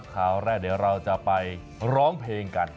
ข่าวแรกเดี๋ยวเราจะไปร้องเพลงกัน